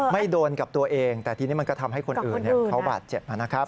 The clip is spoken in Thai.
โดนกับตัวเองแต่ทีนี้มันก็ทำให้คนอื่นเขาบาดเจ็บนะครับ